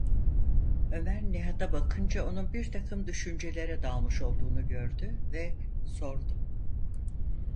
Ömer Nihat’a bakınca onun birtakım düşüncelere dalmış olduğunu gördü ve sordu: